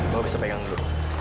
bapak bisa pegang dulu